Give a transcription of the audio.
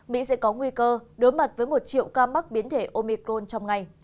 mỹ sẽ có nguy cơ đối mặt với một triệu ca mắc biến thể omicron trong ngày